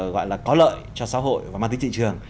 gọi là có lợi cho xã hội và mang tính thị trường